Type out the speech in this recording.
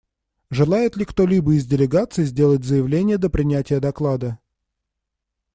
Желает ли кто-либо из делегаций сделать заявление до принятия доклада?